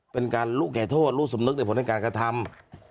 เป็นการรู้แก่โทษรู้สำนึกในผลทางการกระทำ